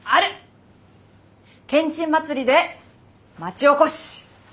けんちん祭りで町おこし！